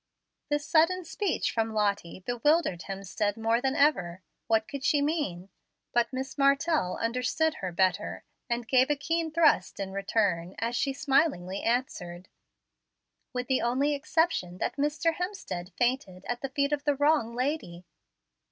This sudden speech from Lottie bewildered Hemstead more than ever. What could she mean? But Miss Martell understood her better, and gave a keen thrust in return as she smilingly answered, "With the only exception that Mr. Hemstead fainted at the feet of the wrong lady."